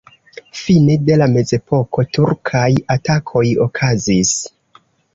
Fine de la mezepoko turkaj atakoj okazis.